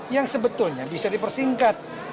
yang sebetulnya bisa dipersingkat